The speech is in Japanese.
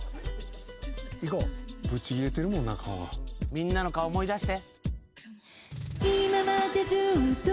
みんなの顔思い出して。